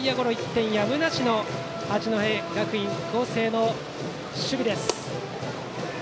１点やむなしの八戸学院光星の守備です。